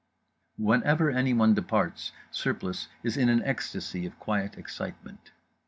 Whenever anyone departs Surplice is in an ecstasy of quiet excitement.